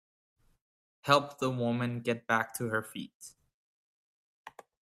Help the woman get back to her feet.